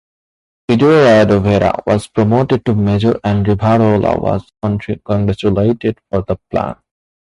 Eduardo Vera was promoted to Major and Rivarola was congratulated for the plan.